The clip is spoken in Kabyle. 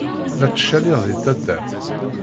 La ttcaliɣ deg taddart.